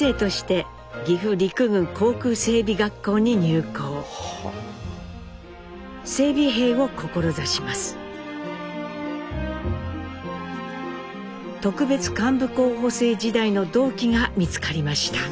特別幹部候補生時代の同期が見つかりました。